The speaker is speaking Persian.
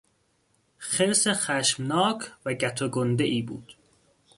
خرس خشمناک و گت و گندهای بود.